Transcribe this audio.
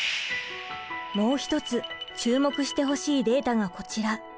もう一つ注目してほしいデータがこちら。